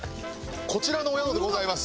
こちらのお宿でございます。